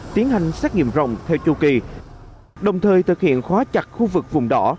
tiến hành xét nghiệm rộng theo chu kỳ đồng thời thực hiện khóa chặt khu vực vùng đỏ